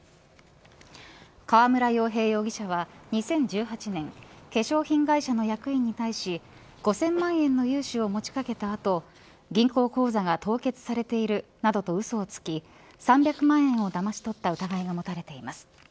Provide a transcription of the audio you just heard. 川村洋平容疑者は２０１８年化粧品会社の役員に対し５０００万円の融資を持ち掛けた後銀行口座が凍結されているなどとうそをつき３００万円をだまし取った疑いが持たれています。